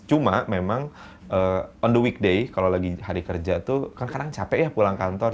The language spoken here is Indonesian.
cuma memang on the weekday kalau lagi hari kerja tuh kan kadang capek ya pulang kantor